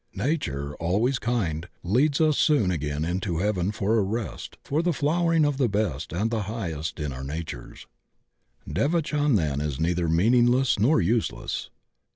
Nature, al ways kind, leads us soon again into heaven for a rest, for the flowering of the best and hiehcst in our na tures. Devachan is then neither meaningless nor useless.